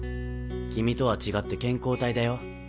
「君とは違って健康体だよ」。